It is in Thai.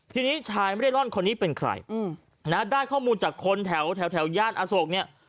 ทีนี้ชายไม่ได้ร่อนคนนี้เป็นใครนะได้ข้อมูลจากคนแถวแถวย่านอโศกเนี่ย